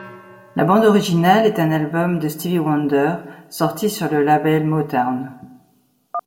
La bande originale est un album de Stevie Wonder sorti sur le label Motown.